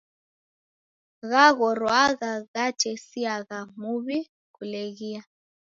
Ghaghorwagha ghatesiagha muw'I kuleghia.